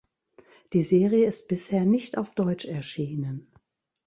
Die Serie ist bisher nicht auf deutsch erschienen.